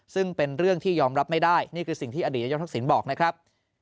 ซึ่งเป็นเรื่องที่ยอมรับไม่ได้นี่คือสิ่งที่อดีตนายกทักษิณบอกนะครับ